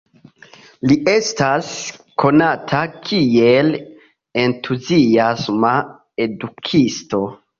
Li estas konata kiel entuziasma edukisto.